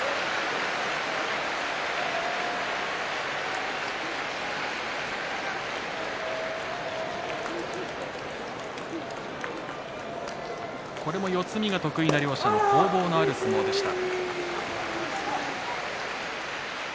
拍手四つ身が得意な両者の攻防のある取組でした。